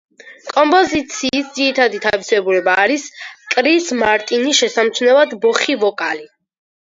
კომპოზიციის ძირითადი თავისებურება არის კრის მარტინის შესამჩნევად ბოხი ვოკალი.